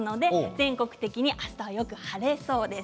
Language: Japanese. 全国的にあしたはよく晴れそうです。